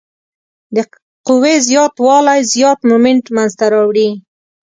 د قوې زیات والی زیات مومنټ منځته راوړي.